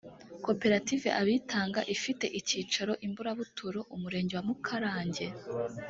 koperative abitanga ifite icyicaro i mburabuturo umurenge wa mukarange